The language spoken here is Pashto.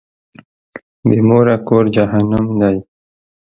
بی موره کور جهنم دی.